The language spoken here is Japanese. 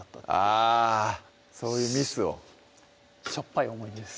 あそういうミスをしょっぱい思い出です